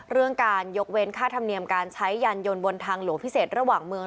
เรื่องการยกเว้นค่าธรรมเนียมการใช้ยานยนต์บนทางหลวงพิเศษระหว่างเมือง